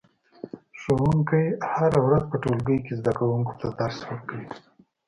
ښوونکی هره ورځ په ټولګي کې زده کوونکو ته درس ورکوي